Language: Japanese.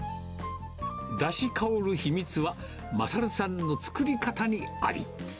だし香る秘密は、賢さんの作り方にあり。